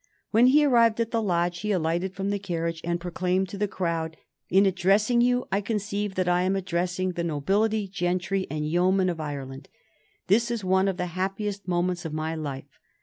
When he arrived at the Lodge he alighted from the carriage and proclaimed to the crowd, "In addressing you I conceive that I am addressing the nobility, gentry, and yeomen of Ireland. This is one of the happiest moments of my life.